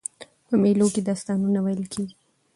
په مېلو کښي داستانونه ویل کېږي.